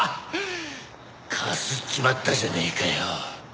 かすっちまったじゃねえかよ。